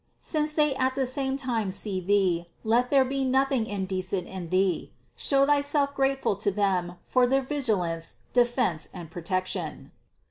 Since they at the same time see thee, let there be nothing indecent in thee. Show thyself grateful to them for their vig ilance, defense and protection.